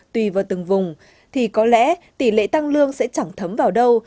tùy vào từng vùng thì có lẽ tỷ lệ tăng lương sẽ chẳng thấm vào đâu